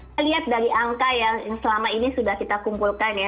saya lihat dari angka yang selama ini sudah kita kumpulkan ya